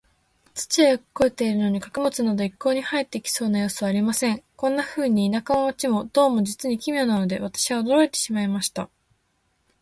土はよく肥えているのに、穀物など一向に生えそうな様子はありません。こんなふうに、田舎も街も、どうも実に奇妙なので、私は驚いてしまいました。